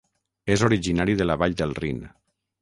És originari de la vall del Rin.